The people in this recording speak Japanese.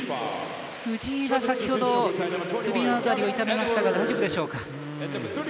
藤井は先ほど首の辺りを痛めましたが大丈夫でしょうか。